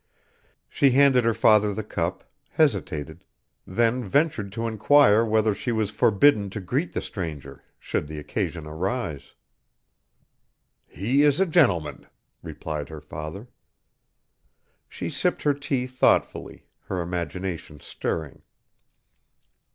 She handed her father the cup, hesitated, then ventured to inquire whether she was forbidden to greet the stranger should the occasion arise. "He is a gentleman," replied her father. She sipped her tea thoughtfully, her imagination stirring.